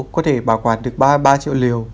có thể bảo quản được ba mươi ba triệu liều